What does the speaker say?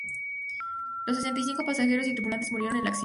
Los setenta y cinco pasajeros y tripulantes murieron en el accidente.